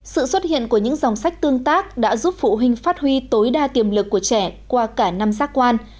sự xuất hiện của những dòng sách tương tác đã giúp phụ huynh phát huy tối đa tiềm lực của trẻ qua cả năm giác quan